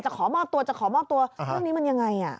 ขอมอบตัวจะขอมอบตัวเรื่องนี้มันยังไง